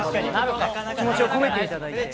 気持ち込めていただいて。